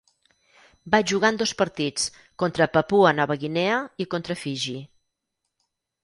Va jugar en dos partits, contra Papua Nova Guinea i contra Fiji.